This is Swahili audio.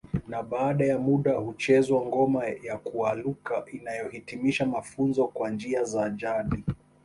Na baada ya muda huchezewa ngoma ya kwaluka inayohitimisha mafunzo kwa njia za jadi